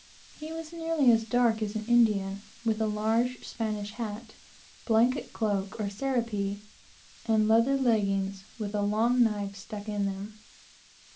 He was nearly as dark as an Indian, with a large Spanish hat, blanket cloak or surreppa, and leather leggins, with a long knife stuck in them.